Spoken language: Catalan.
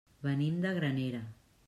Venim de Granera.